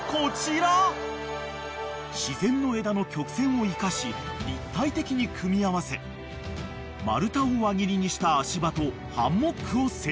［自然の枝の曲線を生かし立体的に組み合わせ丸太を輪切りにした足場とハンモックを設置］